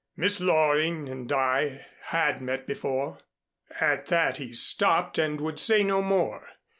"Miss Loring and I had met before." At that he stopped and would say no more.